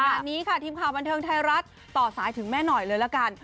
งานนี้ค่ะทีมข่าวบันเทิงไทยรัฐต่อสายถึงแม่หน่อยเลยละกัน